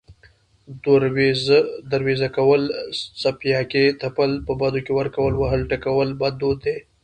دروېزه کول، څپياکې تپل، په بدو کې ورکول، وهل، ټکول بد دود دی